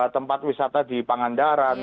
tempat wisata di pangandaran